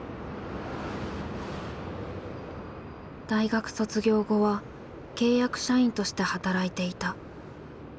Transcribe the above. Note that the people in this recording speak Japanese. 大学卒業後は契約社員として働いていた。